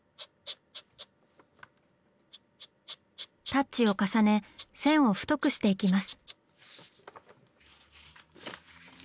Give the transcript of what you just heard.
タッチを重ね線を太くしていきます。